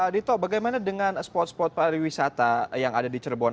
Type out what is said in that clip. dito bagaimana dengan spot spot pariwisata yang ada di cirebon